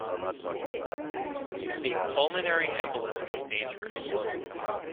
A Pulmonary Embolism is dangerous.